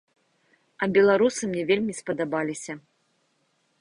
А беларусы мне вельмі спадабаліся.